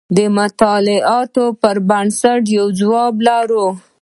د مطالعاتو پر بنسټ یو ځواب لرو.